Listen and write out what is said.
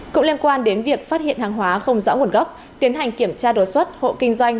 cũng liên quan đến việc phát hiện hàng hóa không rõ nguồn gốc tiến hành kiểm tra đồ xuất hộ kinh doanh